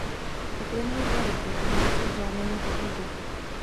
Uplynuly dva roky a nedošlo k žádnému pokroku.